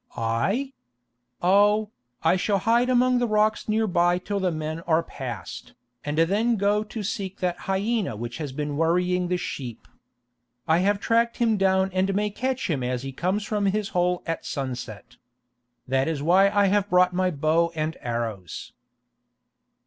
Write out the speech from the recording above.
"I? Oh, I shall hide among the rocks near by till the men are passed, and then go to seek that hyena which has been worrying the sheep. I have tracked him down and may catch him as he comes from his hole at sunset. That is why I have brought my bow and arrows."